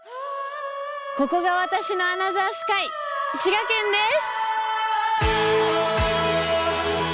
ここが私のアナザースカイ滋賀県です！